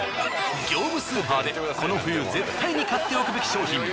業務スーパーでこの冬絶対に買っておくべき商品。